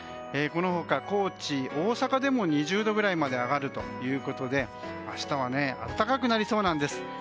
この他高知、大阪でも２０度くらいまで上がるということで明日は暖かくなりそうなんです。